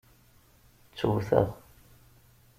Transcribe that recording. Ttewteɣ.